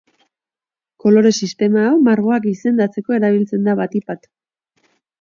Kolore sistema hau margoak izendatzeko erabiltzen da batik-bat.